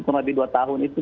finale dua tahun itu